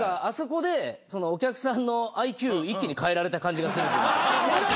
あそこでお客さんのＩＱ一気に変えられた感じがする。